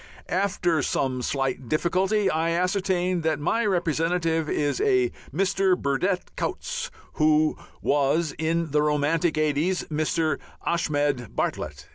After some slight difficulty I ascertained that my representative is a Mr. Burdett Coutts, who was, in the romantic eighties, Mr. Ashmead Bartlett.